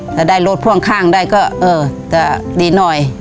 ถ้าได้รถพ่วงข้างได้ก็เออจะดีหน่อย